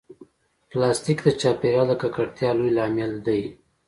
پلاستيک د چاپېریال د ککړتیا لوی لامل دی.